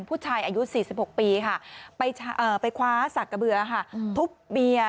ผู้ชายอายุ๔๖ปีไปคว้าศักดิ์เสะเบื่อทุบเมีย